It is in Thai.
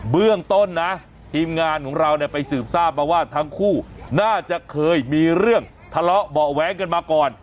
เบื้องต้นนะทีมงานของเราเนี่ยไปสืบทราบมาว่าทั้งคู่น่าจะเคยมีเรื่องทะเลาะเบาะแว้งกันมาก่อน